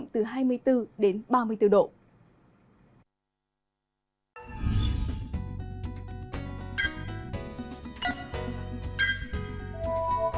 từ hai mươi bốn đến ba mươi bốn độ